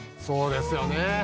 そうですよね。